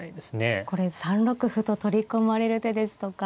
これ３六歩と取り込まれる手ですとか。